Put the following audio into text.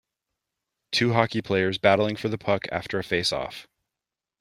Two hockey players battling for the puck after a face off.